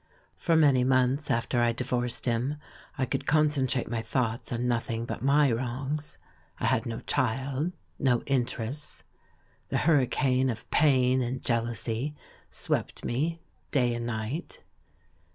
For many months after I divorced him I could con centrate my thoughts on nothing but my wrongs. I had no child, no interests ; the hurricane of pain and jealousy swept me day and night.